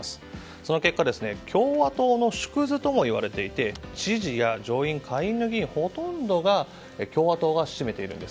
その結果共和党の縮図ともいわれていて支持や上院、下院の議員ほとんどが共和党が占めているんです。